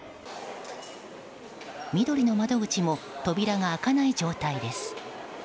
みどりの窓口も扉が開かない状態です。